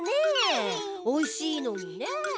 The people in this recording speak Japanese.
おいしいのにねえ。